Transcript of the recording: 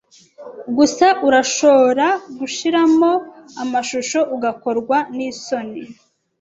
Gusa Urashoora gushiramo amashusho ugakorwa nisoni